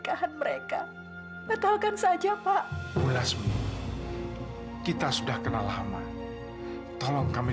kenapa sekarang kamu mau nambah dosa lagi